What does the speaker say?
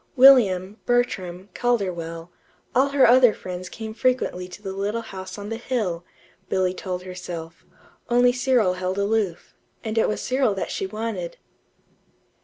William, Bertram, Calderwell all her other friends came frequently to the little house on the hill, Billy told herself; only Cyril held aloof and it was Cyril that she wanted.